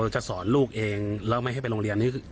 จะสอนลูกเองแล้วไม่ให้ไปโรงเรียน